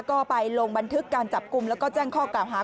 ก็ไปลงบันทึกการจับกลุ่มแล้วก็แจ้งข้อกล่าวหา